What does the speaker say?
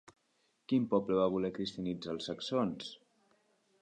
Quin poble va voler cristianitzar als saxons?